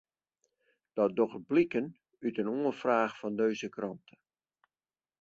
Dat docht bliken út in omfraach fan dizze krante.